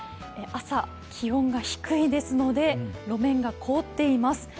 朝、気温が低いですので路面が凍っています。